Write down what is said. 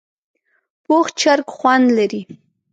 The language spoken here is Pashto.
پوخ چرګ خوند لري